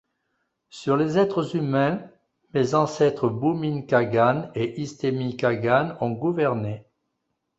Sur les êtres humains, mes ancêtres Bumin Kagan et Istemi Kagan ont gouverné.